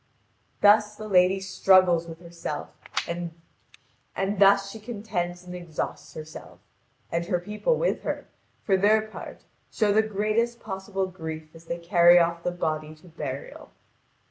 Thus the lady struggles with herself, and thus she contends and exhausts herself. And her people with her, for their part, show the greatest possible grief as they carry off the body to burial.